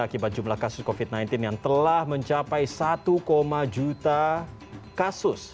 akibat jumlah kasus covid sembilan belas yang telah mencapai satu juta kasus